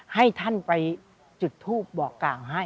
ให้ท่านไปจุดทูปบอกกล่าวให้